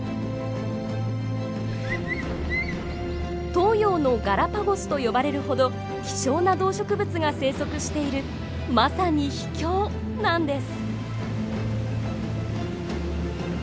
「東洋のガラパゴス」と呼ばれるほど希少な動植物が生息しているまさに秘境！なんです。